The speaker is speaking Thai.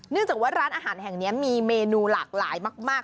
จากว่าร้านอาหารแห่งนี้มีเมนูหลากหลายมาก